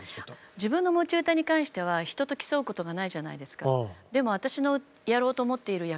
自分の持ち歌に関しては人と競うことがないじゃないですか。